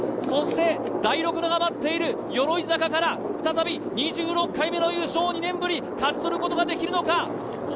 そして大六野が待っている、鎧坂から再び、２６回目の優勝、２年ぶり、勝ち取ることができるのか。